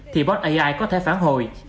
thì bot ai có thể phản hồi